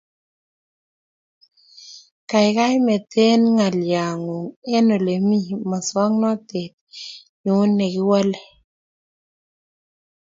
Kaigai mete ng'alyo ng'ung' eng ole mii msowognatet nyuu ne kiwalee